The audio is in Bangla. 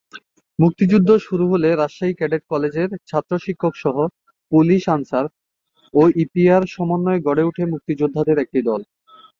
মুক্তিযুদ্ধ শুরু হলে রাজশাহী ক্যাডেট কলেজের ছাত্র-শিক্ষকসহ পুলিশ-আনসার ও ইপিআর সমন্বয়ে গড়ে ওঠে মুক্তিযোদ্ধাদের একটি দল।